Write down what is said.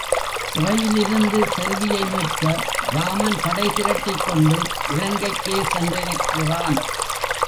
சிறையிலிருந்து செல்வியை மீட்க ராமன்படை திரட்டிக் கொண்டு இலங்கைக்கே சென்றிருக்கிறான்.